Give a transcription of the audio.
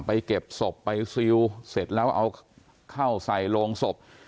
เก็บศพไปซิลเสร็จแล้วเอาเข้าใส่โรงศพ